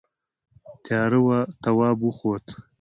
تیاره وه تواب وخوت.